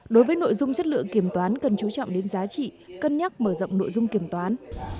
đối với nội dung chất lượng kiểm toán cần chú trọng đến giá trị cân nhắc mở rộng nội dung kiểm toán